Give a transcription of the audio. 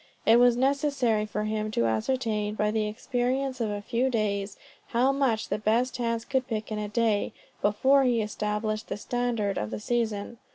It was necessary for him to ascertain, by the experience of a few days, how much the best hands could pick in a day, before he established the standard of the season.